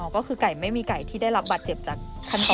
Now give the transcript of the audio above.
ก็คือไก่ไม่มีไก่ที่ได้รับบาดเจ็บจากขั้นตอน